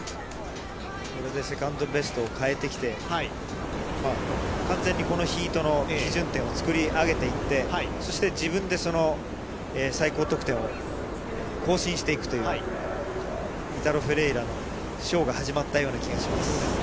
これでセカンドベストを変えてきて、完全にこのヒートの基準点を作り上げていって、そして自分でその最高得点を更新していくという、イタロ・フェレイラのショーが始まったような気がします。